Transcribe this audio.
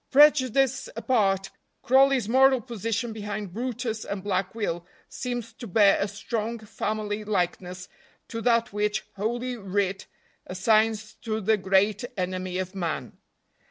Prejudice apart, Crawley's moral position behind brutus and Black Will seems to bear a strong family likeness to that which Holy Writ assigns to the great enemy of man.